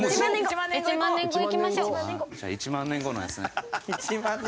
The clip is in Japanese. じゃあ１万年後のやつね。